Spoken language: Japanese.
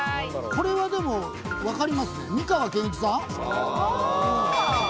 これは、でも、わかりますね、美川憲一さん。